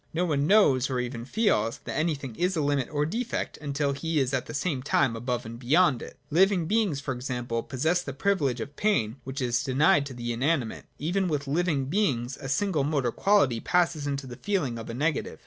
No one knows, or even feels, that anything is a limit or defect, until he is at the same time above and beyond it. Living beings, for example, possess the privilege of pain which is denied to the inanimate : even with living beings, a single mode or quality passes into the feeling of a negative.